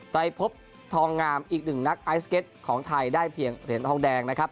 ใจพบทองงามอีกหนึ่งนักไอสเก็ตของไทยได้เพียงเหรียญทองแดงนะครับ